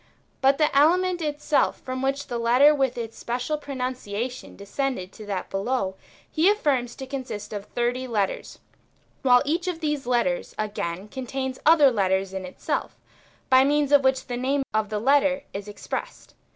But the element itself from which the letter with its special pronunciation descended to that below, he affirms to consist of thirty letters, while each of these letters, again, contains other letters in itself, by means of which the name of the letter is expressed.